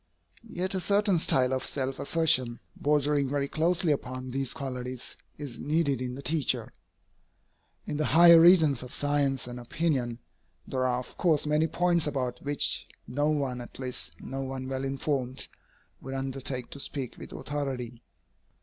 Yet a certain style of self assertion, bordering very closely upon these qualities, is needed in the teacher. In the higher regions of science and opinion, there are of course many points about which no one, at least no one well informed, would undertake to speak with authority.